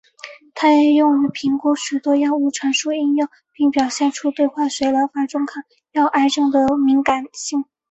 它也用于评估许多药物传输应用并表现出对化学疗法中抗药癌症的敏感性。